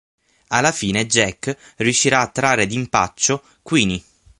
Alla fine Jack riuscirà a trarre d’impaccio Queenie.